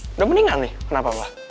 sudah meninggal nih kenapa ma